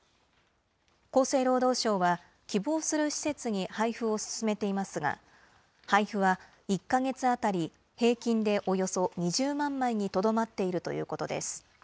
厚生労働省は、希望する施設に配布を進めていますが、配布は１か月当たり平均でおよそ２０万枚にとどまっているということです。